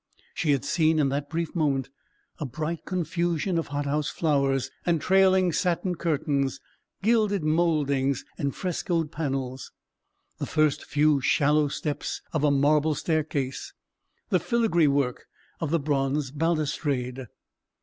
She had seen in that brief moment a bright confusion of hothouse flowers, and trailing satin curtains, gilded mouldings, and frescoed panels, the first few shallow steps of a marble staircase, the filigree work of the bronze balustrade.